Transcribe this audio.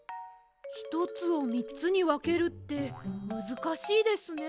ひとつをみっつにわけるってむずかしいですね。